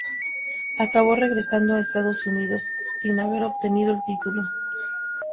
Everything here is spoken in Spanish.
Acabó regresando a Estados Unidos sin haber obtenido el título.